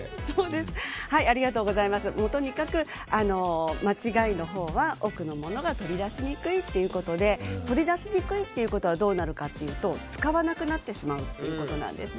とにかく間違いのほうは奥のものが取り出しにくいということで取り出しにくいということはどうなるかというと使わなくなってしまうということなんです。